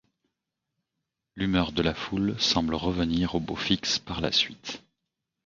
L'humeur de la foule semble revenir au beau fixe par la suite.